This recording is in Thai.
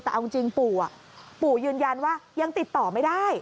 แต่เอาจริงปู่ปู่ยืนยันว่ายังติดต่อไม่ได้